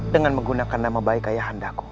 dengan menggunakan nama baik ayah andaku